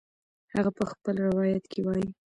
هغه په خپل روایت کې وایي